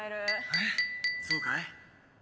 えっそうかい？